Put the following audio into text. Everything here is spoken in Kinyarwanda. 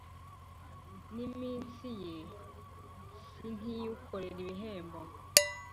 n’iminsi ye si nk’iy’ukorera ibihembo’